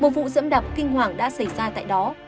một vụ dẫm đập kinh hoảng đã xảy ra tại đó